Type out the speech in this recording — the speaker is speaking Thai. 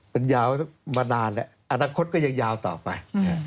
มันยาวมานานแล้วอนาคตก็ยังยาวต่อไป